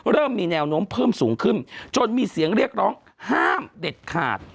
เริ่มมีแนวโน้มเพิ่มสูงขึ้นจนมีเสียงเรียกร้องห้ามเด็ดขาด